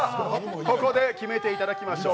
ここで決めていただきましょう。